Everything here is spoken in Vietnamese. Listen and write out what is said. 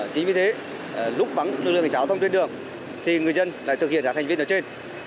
chính vì thế lúc bắn lực lượng hành trào thông trên đường thì người dân lại thực hiện các hành vi đó trên